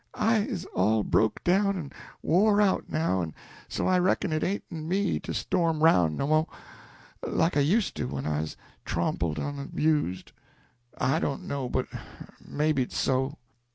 I is all broke down en wore out, now, en so I reckon it ain't in me to storm aroun' no mo', like I used to when I 'uz trompled on en 'bused. I don't know but maybe it's so.